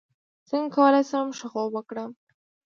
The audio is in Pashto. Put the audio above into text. څنګه کولی شم ښه خوب وکړم